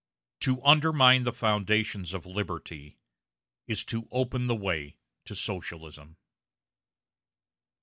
To undermine the foundations of Liberty is to open the way to Socialism.